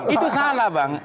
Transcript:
itu salah bang